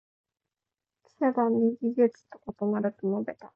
記者団に「事実と異なる」と述べた。